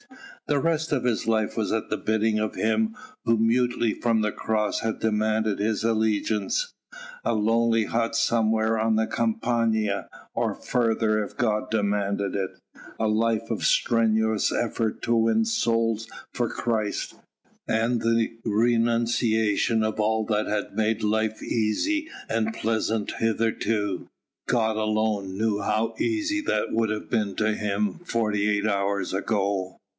The rest of his life was at the bidding of Him Who mutely from the Cross had demanded his allegiance: a lonely hut somewhere on the Campania, or further if God demanded it, a life of strenuous effort to win souls for Christ, and the renunciation of all that had made life easy and pleasant hitherto. God alone knew how easy that would have been to him forty eight hours ago.